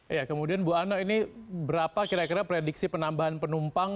iya kemudian bu ana ini berapa kira kira prediksi penambahan penumpang